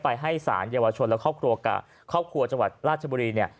ให้สารเยาวชนและครอบครัวกับครอบครัวจังหวัดราชบุรีเนี่ย